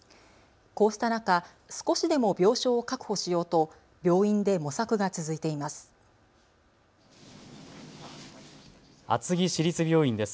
こうした中、少しでも病床を確保しようと病院で模索が続いています。